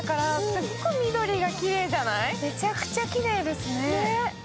めちゃくちゃきれいですね。